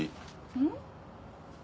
うん？